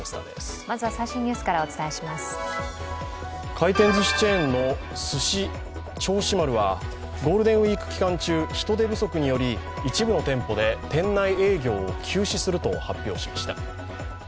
回転ずしチェーンのすし銚子丸は人手不足により一部の店舗で店内営業を休止すると発表しました。